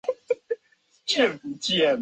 而后高诱为之作注解。